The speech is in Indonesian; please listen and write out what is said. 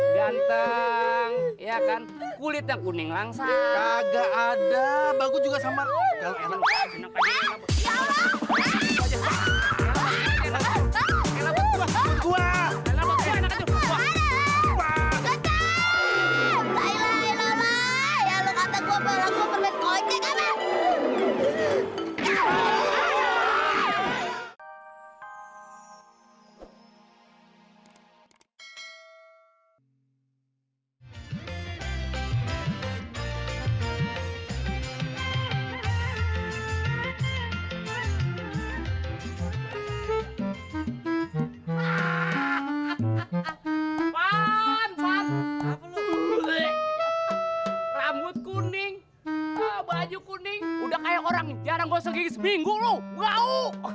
rambut kuning baju kuning udah kayak orang jarang goseng seminggu lu wau